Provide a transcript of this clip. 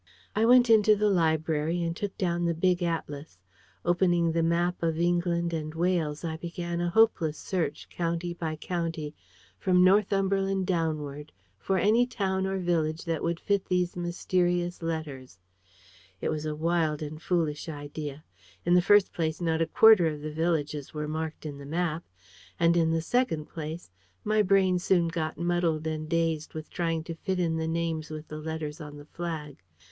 I went into the library and took down the big atlas. Opening the map of England and Wales, I began a hopeless search, county by county, from Northumberland downward, for any town or village that would fit these mysterious letters. It was a wild and foolish idea. In the first place not a quarter of the villages were marked in the map; and in the second place, my brain soon got muddled and dazed with trying to fit in the names with the letters on the flag.